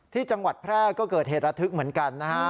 ที่จังหวัดแพร่ก็เกิดเหตุระทึกเหมือนกันนะฮะ